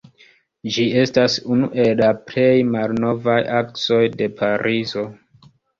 Ĝi estas unu el la plej malnovaj aksoj de Parizo.